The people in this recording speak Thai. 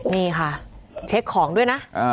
นี่ค่ะเช็คของด้วยนะ